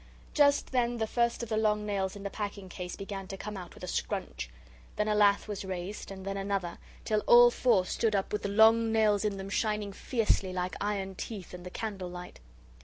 Just then the first of the long nails in the packing case began to come out with a scrunch. Then a lath was raised and then another, till all four stood up with the long nails in them shining fiercely like iron teeth in the candle light.